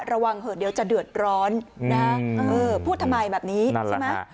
ระวังเหอะเดี๋ยวจะเดือดร้อนเออพูดทำไมแบบนี้นั่นแหละค่ะ